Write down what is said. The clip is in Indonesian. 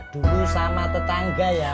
dulu sama tetangga ya